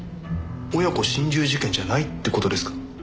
親子心中事件じゃないって事ですか？